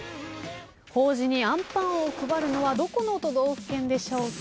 法事にあんパンを配るのはどこの都道府県でしょうか？